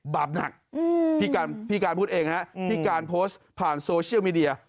บาปหนักพี่การพูดเองฮะพี่การโพสต์ผ่านโซเชียลมีเดีย